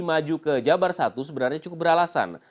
maju ke jabar satu sebenarnya cukup beralasan